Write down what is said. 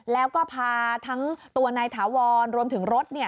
แล้วก็พาทั้งตัวนายถาวรรวมถึงรถ